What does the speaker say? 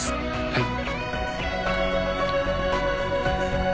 はい。